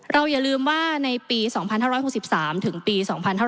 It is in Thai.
อย่าลืมว่าในปี๒๕๖๓ถึงปี๒๕๕๙